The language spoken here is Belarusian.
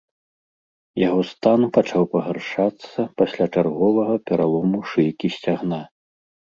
Яго стан пачаў пагаршацца пасля чарговага пералому шыйкі сцягна.